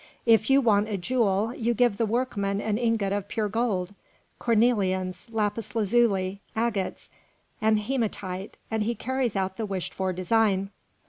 If you want a jewel, you give the workman an ingot of pure gold, cornelians, lapis lazuli, agates, and hematite, and he carries out the wished for design.